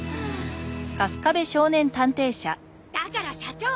だから社長！